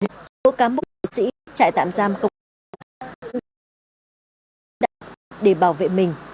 cũng có cán bộ chiến sĩ chạy tạm giam công tác giam để bảo vệ mình